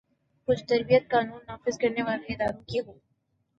کچھ تربیت قانون نافذ کرنے والے اداروں کی ہو۔